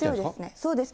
そうです。